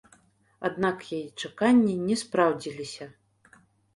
Аднак яе чаканні не спраўдзіліся.